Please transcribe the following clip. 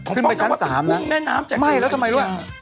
ของพรรณวัฒน์เป็นภูมิแน่น้ำจากนี้อ่ะขึ้นไปทั้ง๓นะไม่แล้วทำไมรู้อ่ะ